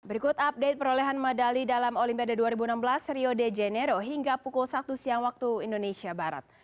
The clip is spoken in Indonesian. berikut update perolehan medali dalam olimpiade dua ribu enam belas rio de janeiro hingga pukul satu siang waktu indonesia barat